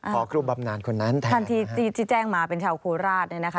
ครูบำนานคนนั้นท่านที่แจ้งมาเป็นชาวโคราช